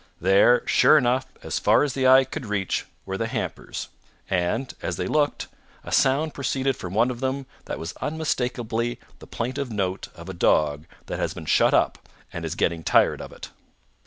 There, sure enough, as far as the eye could reach, were the hampers; and, as they looked, a sound proceeded from one of them that was unmistakably the plaintive note of a dog that has been shut up, and is getting tired of it.